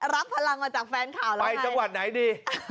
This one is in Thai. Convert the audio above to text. รับพลังมาจากแฟนค่าไปจังหวัดไหนดิ